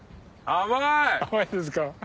甘いですか。